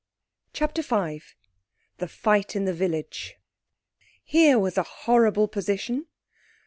CHAPTER V. THE FIGHT IN THE VILLAGE Here was a horrible position!